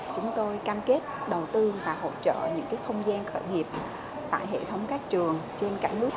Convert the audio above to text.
chúng tôi cam kết đầu tư và hỗ trợ những không gian khởi nghiệp tại hệ thống các trường trên cả nước